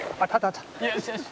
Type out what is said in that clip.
「よしよし！」